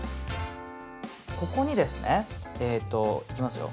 ◆ここにですね、行きますよ！